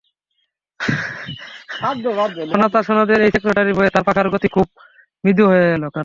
অনাথাসদনের এই সেক্রেটারির ভয়ে তার পাখার গতি খুব মৃদু হয়ে এল।